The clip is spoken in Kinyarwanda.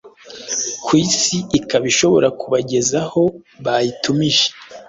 ku isi ikaba ishobora kubagezaho bayitumije.